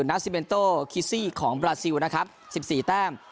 นาซิเมนโตคิซี่ของบราซิลนะครับ๑๔แต้ม